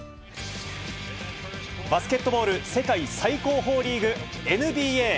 バスケットボール世界最高峰リーグ、ＮＢＡ。